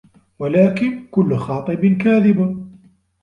وَلَكِنْ كُلُّ خَاطِبٍ كَاذِبٌ